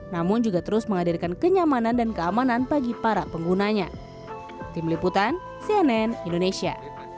namun juga terus menghadirkan kenyamanan dan keamanan bagi para penggunanya